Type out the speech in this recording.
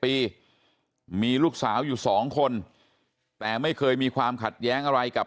ปีมีลูกสาวอยู่สองคนแต่ไม่เคยมีความขัดแย้งอะไรกับ